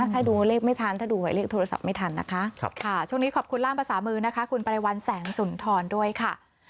ถ้าดูเรียกไม่ทันถ้าดูหมายเลขโทรศัพท์ไม่ทันนะคะ